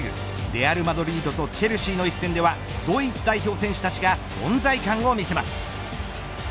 レアルマドリードとチェルシーの一戦ではドイツ代表選手たちが存在感を見せます。